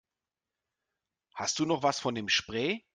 Hast du noch was von dem Spray?